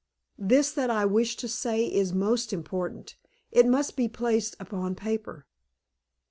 This that I wish to say is most important; it must be placed upon paper."